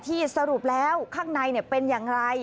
สรุปแล้วข้างในเป็นอย่างไร